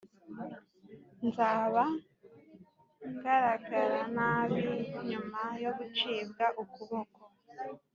nzaba ngaragaranabi nyuma yo gucibwa ukuboko